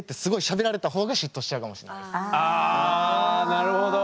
なるほど。